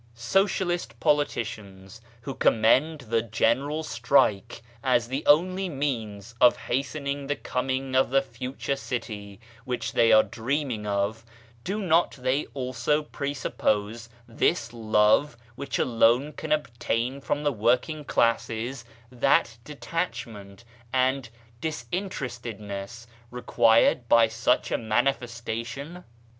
Socialist politicians, who com mend the general strike as the only means of hastening the coming of the future city, which they are dreaming of, do not they also presuppose this love which alone can obtain from the working classes that de tachment and disinterestedness required by such a manifestation